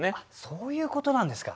そういうことなんですか。